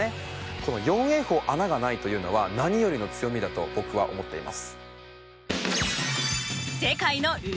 この４泳法穴がないというのは何よりの強みだと僕は思っています。